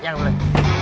eh yang beli